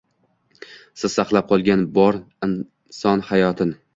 Siz saqlab qolgan bor inson hayotin!